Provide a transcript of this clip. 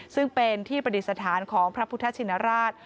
ซึ่งเป็นที่ประดิษฐานของพระพุทธชินราช